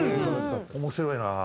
面白いな！